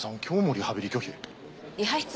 今日もリハビリ拒否？